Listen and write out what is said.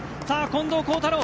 近藤幸太郎